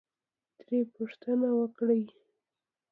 ترې پوښتنه وکړئ،